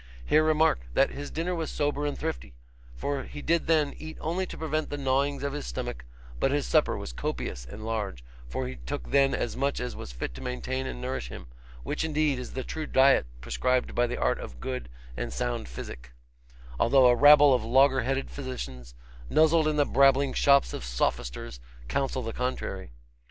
Here remark, that his dinner was sober and thrifty, for he did then eat only to prevent the gnawings of his stomach, but his supper was copious and large, for he took then as much as was fit to maintain and nourish him; which, indeed, is the true diet prescribed by the art of good and sound physic, although a rabble of loggerheaded physicians, nuzzeled in the brabbling shop of sophisters, counsel the contrary.